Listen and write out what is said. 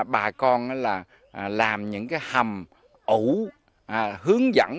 bà con làm những hầm ổ hướng dẫn